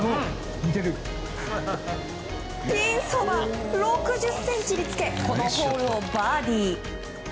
ピンそば６０ｃｍにつけこのホールをバーディー。